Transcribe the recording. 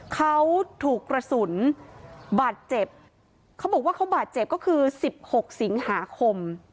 เขาถูกกระสุนบาดเจ็บเขาบอกว่าเขาบาดเจ็บก็คือสิบหกสิงหาคม